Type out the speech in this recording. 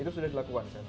itu sudah dilakukan